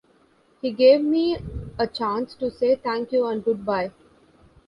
It gave me a chance to say thank you and goodbye.